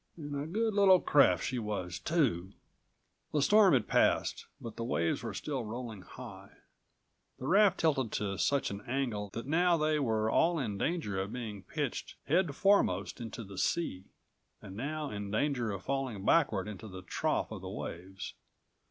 An' a good little craft she was too." The storm had passed, but the waves were still rolling high. The raft tilted to such an angle that now they were all in danger of being pitched headforemost into the sea, and now in danger of falling backward into the trough of the waves.